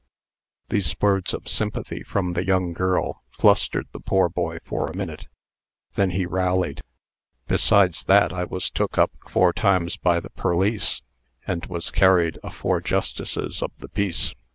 These words of sympathy from the young girl flustered the poor boy for a minute. Then he rallied: "Besides that, I was took up four times by the perlice, and was carried afore justices of the peace.